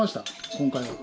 今回は。